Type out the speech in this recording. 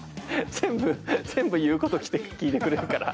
全部言うこと聞いてくれるから。